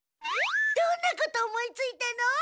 どんなこと思いついたの？